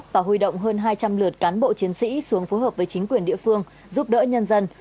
và huy động hơn hai trăm linh lượt cán bộ chiến sĩ xuống phối hợp với chính quyền địa phương giúp đỡ nhân dân